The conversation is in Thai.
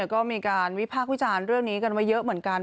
ก็มีการวิพากษ์วิจารณ์เรื่องนี้กันไว้เยอะเหมือนกัน